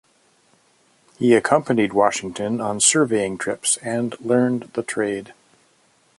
He accompanied Washington on surveying trips and learned the trade.